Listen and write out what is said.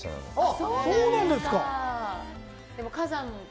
そうなんですか。